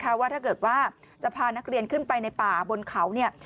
เพราะว่าถ้าเกิดว่าจะพานักเรียนขึ้นไปในป่าบนเขาเนี่ย